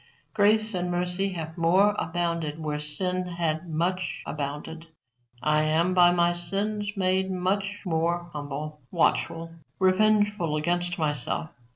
Grace and mercy have more abounded where sin had much abounded. I am by my sins made much more humble, watchful, revengeful against myself.